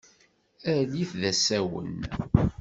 Alit d asawen.